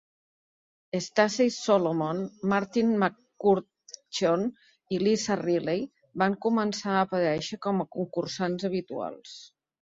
Stacey Solomon, Martine McCutcheon i Lisa Riley van començar a aparèixer com a concursants habituals.